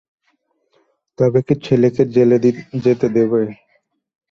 তবে কি ছেলেকে জেলে যেতে দেবে।